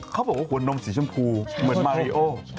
เขาบอกว่าหัวนมสีชมพูเหมือนมาริโอ